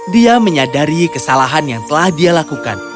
dia menyadari kesalahan yang telah dia lakukan